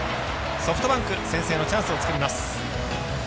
ソフトバンク、先制のチャンスを作ります。